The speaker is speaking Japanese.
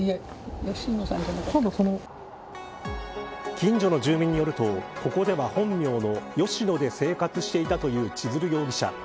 近所の住民によるとここでは本名の吉野で生活していたという千鶴容疑者。